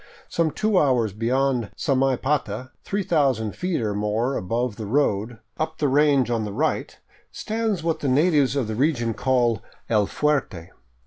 Some two hours beyond Samaipata, 3000 feet or more above the road, up the range on the right, stands what the natives of the region call " El Fuerte."